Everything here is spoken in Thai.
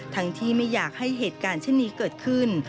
ที่ไม่อยากให้เหตุการณ์เช่นนี้เกิดขึ้น